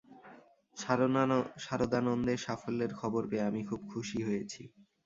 সারদানন্দের সাফল্যের খবর পেয়ে আমি খুব খুশী হয়েছি।